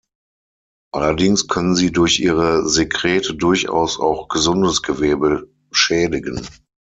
Allerdings können sie durch ihre Sekrete durchaus auch gesundes Gewebe schädigen.